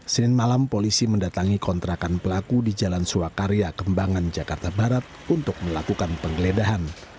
senin malam polisi mendatangi kontrakan pelaku di jalan suakarya kembangan jakarta barat untuk melakukan penggeledahan